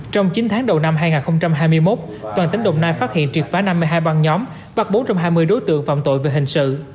trong chín tháng đầu năm hai nghìn hai mươi một toàn tỉnh đồng nai phát hiện triệt phá năm mươi hai băng nhóm bắt bốn trăm hai mươi đối tượng phạm tội về hình sự